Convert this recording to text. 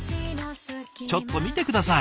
ちょっと見て下さい。